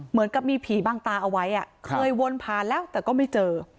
เหมือนกับมีผีบางตาเอาไว้เคยวนผ่านแล้วแต่ก็ไม่เจอ